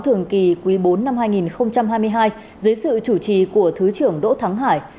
thường kỳ quý bốn năm hai nghìn hai mươi hai dưới sự chủ trì của thứ trưởng đỗ thắng hải